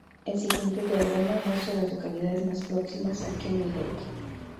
El siguiente diagrama muestra a las localidades más próximas a Kenny Lake.